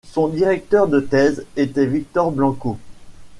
Son directeur de thèse était Victor Blanco.